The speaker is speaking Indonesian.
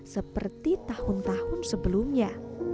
seperti tahun tahun sebelumnya